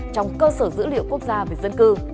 trong cơ sở dữ liệu quốc gia